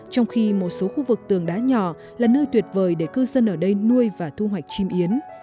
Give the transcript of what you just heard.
trong khi một số khu vực tường đá nhỏ là nơi tuyệt vời để cư dân ở đây nuôi và thu hoạch chim yến